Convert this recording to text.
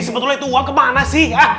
sebetulnya itu uang kemana sih